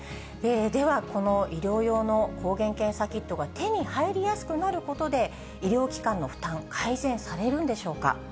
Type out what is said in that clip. では、この医療用の抗原検査キットが手に入りやすくなることで、医療機関の負担、改善されるんでしょうか。